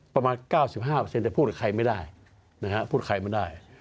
ประมาณ๙๕แต่พูดกับใครไม่ได้นะฮะพูดใครไม่ได้